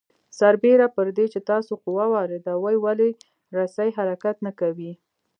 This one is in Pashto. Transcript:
سربېره پر دې چې تاسو قوه واردوئ ولې رسۍ حرکت نه کوي؟